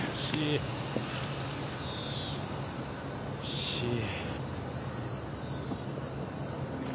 惜しい。